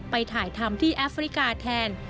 ไปถ่ายทำที่แอฟริกาแทน